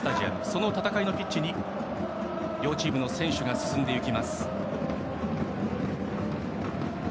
その戦いのピッチに両チームの選手が進んでいきます。